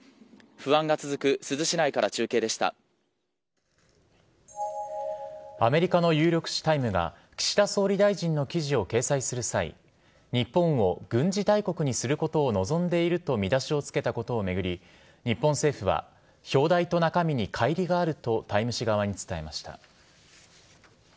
不安が続く珠洲市内からアメリカの有力誌「タイム」が岸田総理大臣の記事を掲載する際日本を軍事大国にすることを望んでいると、見出しを付けたことを巡り日本政府は表題と中身に乖離があるとタイム誌側に伝えました。